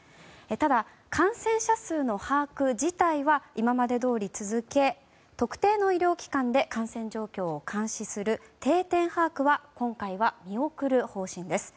ただ、感染者数の把握自体は今までどおり続け特定の医療機関で感染状況を監視する定点把握は今回は見送る方針です。